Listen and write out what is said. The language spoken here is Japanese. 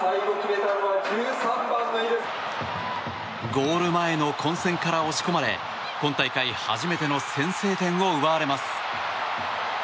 ゴール前の混戦から押し込まれ今大会初めての先制点を奪われます。